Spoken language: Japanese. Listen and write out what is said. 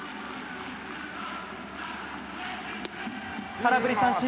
空振り三振。